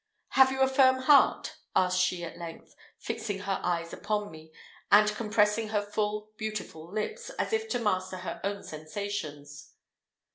"Have you a firm heart?" asked she at length, fixing her eyes upon me, and compressing her full beautiful lips, as if to master her own sensations.